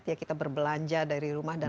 ya kita berbelanja dari rumah dan